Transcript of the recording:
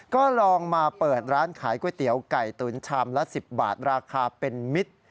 ก็ลองมาเปิดร้านขายก๋วยเตี๋ยวไก่ฝรั่งประสิทธิ์๑๐บาทราคาเป็นมิตร